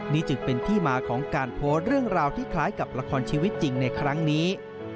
นี่จึงเป็นที่มาของการโพสต์เรื่องราวที่คล้ายกับละครชีวิตจริงในครั้งนี้